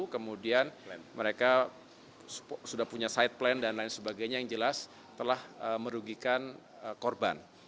kemudian mereka sudah punya side plan dan lain sebagainya yang jelas telah merugikan korban